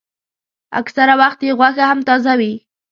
اکثره وخت یې غوښه هم تازه وي.